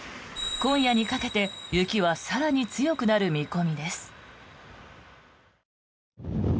今夜にかけて雪は更に強くなる見込みです。